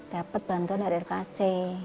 dapat bantuan dari kac